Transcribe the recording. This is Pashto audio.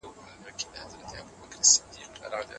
بشپړوونکې دانې د بدن قوت زیاتوي.